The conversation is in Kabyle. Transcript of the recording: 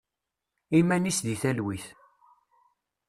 Iman-is deg telwit.